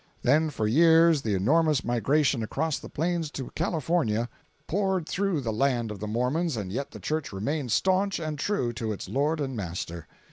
Then for years the enormous migration across the plains to California poured through the land of the Mormons and yet the church remained staunch and true to its lord and master.